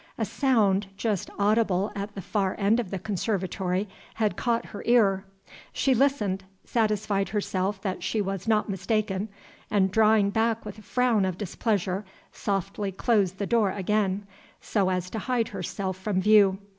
A sound, just audible at the far end of the conservatory, had caught her ear. She listened satisfied herself that she was not mistaken and drawing back with a frown of displeasure, softly closed the door again, so as to hide herself from view.